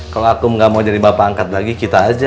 kalo akum ga mau jadi bapak angkat lagi kita aja